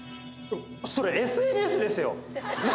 それＳＮＳですよ！